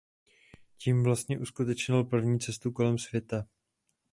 Tím vlastně uskutečnil první cestu kolem světa.